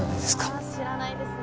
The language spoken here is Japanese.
あぁ知らないですね。